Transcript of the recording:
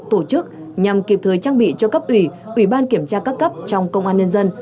tổ chức nhằm kịp thời trang bị cho cấp ủy ủy ban kiểm tra các cấp trong công an nhân dân